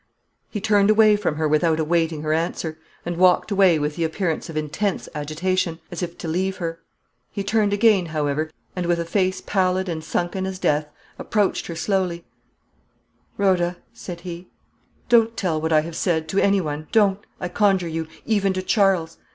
He turned away from her without awaiting her answer, and walked away with the appearance of intense agitation, as if to leave her. He turned again, however, and with a face pallid and sunken as death, approached her slowly "Rhoda," said he, "don't tell what I have said to anyone don't, I conjure you, even to Charles.